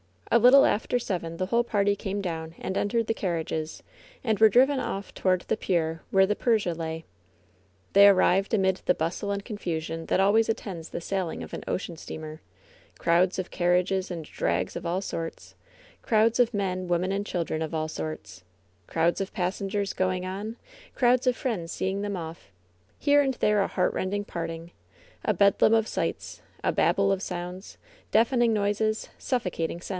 A little after seven the whole party came down and entered the carriages, and were driven off toward the pier where the Persia lay. They arived amid the bustle and confusion that al ways attends the sailing of an ocean steamer — crowds of carriages and drags of all sorts; crowds of men, women and children of all sorts; crowds of passengers going on ; crowds of friends seeing them off ; here and there a heartrending parting; a bedlam of sights; a babel of sounds, deafening noises, suffocating scents.